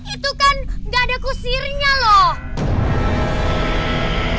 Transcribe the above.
itu kan nggak ada kusirnya loh